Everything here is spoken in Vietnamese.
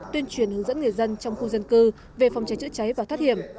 tuyên truyền hướng dẫn người dân trong khu dân cư về phòng cháy chữa cháy và thoát hiểm